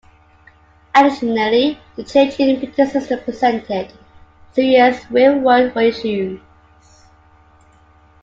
Additionally, the change in printing systems presented serious real-world issues.